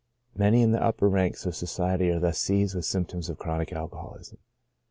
Many in the upper ranks of society are thus seized with symp toms of chronic alcoholism.